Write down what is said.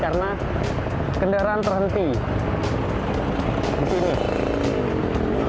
karena kendaraan terhenti di sini